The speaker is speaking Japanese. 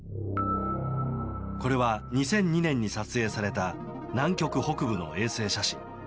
これは２００２年に撮影された南極北部の衛星写真。